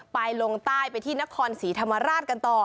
ลงใต้ไปที่นครศรีธรรมราชกันต่อ